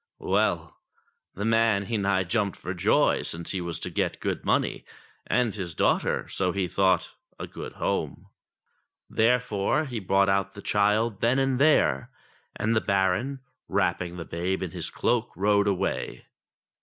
Well ! the man he nigh jumped for joy, since he was to get good money, and his daughter, so he thought, a good home. Therefore he brought out the child then and there, and the Baron, wrapping the babe in his cloak, rode away.